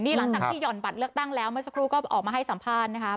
หลังจากที่หย่อนบัตรเลือกตั้งแล้วเมื่อสักครู่ก็ออกมาให้สัมภาษณ์นะครับ